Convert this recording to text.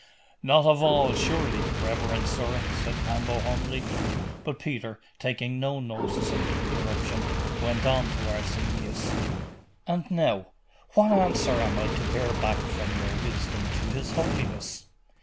'Not of all, surely, reverend sir?' said Pambo humbly. But Peter, taking no notice of the interruption, went on to Arsenius 'And now, what answer am I to bear back from your wisdom to his holiness?